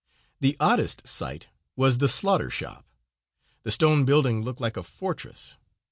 The oddest sight was the slaughter shop. The stone building looked like a fortress.